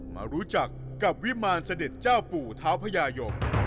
มารู้จักกับวิมารเสด็จเจ้าปู่เท้าพญายม